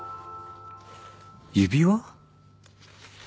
指輪？